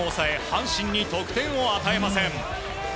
阪神に得点を与えません。